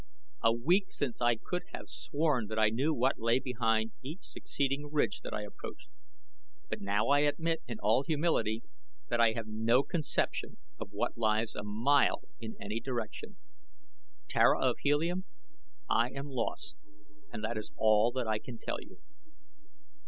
A week since I could have sworn that I knew what lay behind each succeeding ridge that I approached; but now I admit in all humility that I have no conception of what lies a mile in any direction. Tara of Helium, I am lost, and that is all that I can tell you."